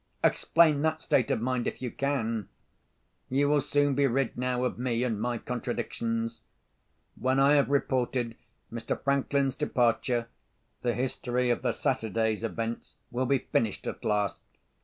Explain that state of mind, if you can. You will soon be rid, now, of me and my contradictions. When I have reported Mr. Franklin's departure, the history of the Saturday's events will be finished at last.